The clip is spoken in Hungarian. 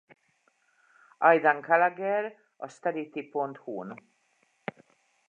Aidan Gallagher a Starity.hu-n.